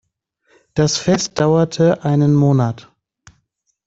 Das Fest dauerte einen Monat.